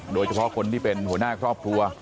โดยเฉพาะคนที่เป็นหัวหน้าครอบครัว